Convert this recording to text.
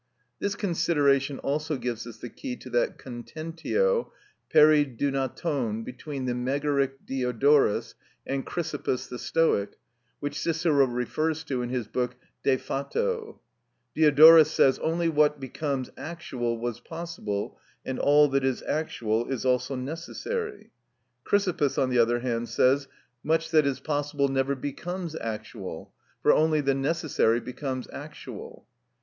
This consideration also gives us the key to that contentio περι δυνατων between the Megaric Diodorus and Chrysippus the Stoic which Cicero refers to in his book De Fato. Diodorus says: "Only what becomes actual was possible, and all that is actual is also necessary." Chrysippus on the other hand says: "Much that is possible never becomes actual; for only the necessary becomes actual."